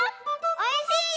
おいしいよ！